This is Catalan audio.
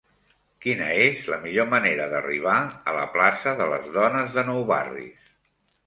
Quina és la millor manera d'arribar a la plaça de Les Dones de Nou Barris?